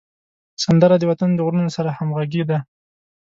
سندره د وطن د غرونو سره همږغي ده